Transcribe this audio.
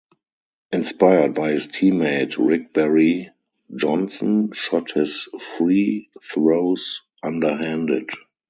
Inspired by his teammate Rick Barry, Johnson shot his free throws underhanded.